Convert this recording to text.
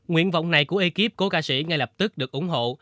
nguyện vọng này của ekip của ca sĩ ngay lập tức được ủng hộ